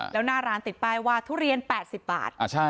แล้วหน้าร้านติดป้ายว่าทุเรียน๘๐บาท